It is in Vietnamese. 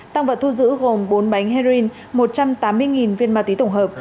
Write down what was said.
tăng vật thu giữ gồm bốn bánh heroin một trăm tám mươi viên ma túy tổng hợp